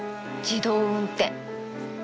自動運転。